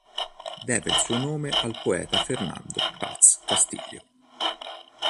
Deve il suo nome al poeta Fernando Paz Castillo.